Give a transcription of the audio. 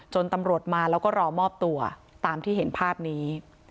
ตำรวจมาแล้วก็รอมอบตัวตามที่เห็นภาพนี้